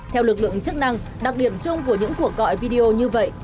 theo lực lượng chức năng đặc điểm chung của những cuộc gọi video như vậy